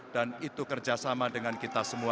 dan itu kerjasama dengan kita semua